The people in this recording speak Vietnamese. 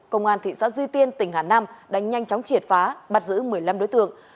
công an thị xã duy tiên tỉnh hà nam đã nhanh chóng triệt phá bắt giữ một mươi năm đối tượng